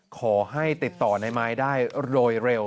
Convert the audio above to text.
ขอให้ติดต่อในไม้ได้โดยเร็ว